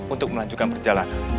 untuk melanjutkan perjalanan